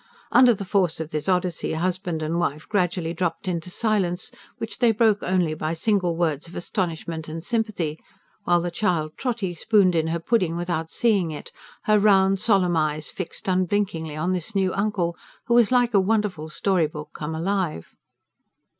Under the force of this Odyssey husband and wife gradually dropped into silence, which they broke only by single words of astonishment and sympathy; while the child Trotty spooned in her pudding without seeing it, her round, solemn eyes fixed unblinkingly on this new uncle, who was like a wonderful story book come alive.